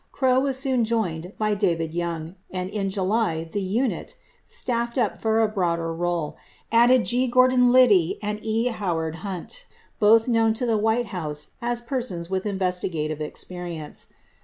62 Krogh was soon joined by David Young and in July the unit, staffing up for a broader role, added G. Gordon Liddy and E. Howard Hunt, both known to the White House as persons with investigative experience.